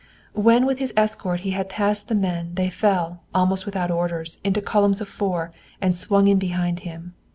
When with his escort he had passed the men they fell, almost without orders, into columns of four, and swung in behind him.